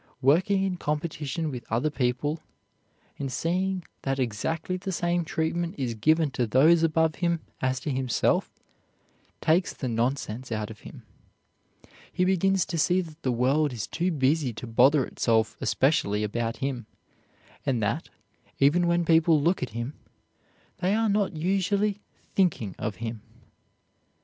Working in competition with other people, and seeing that exactly the same treatment is given to those above him as to himself, takes the nonsense out of him. He begins to see that the world is too busy to bother itself especially about him, and that, even when people look at him, they are not usually thinking of him.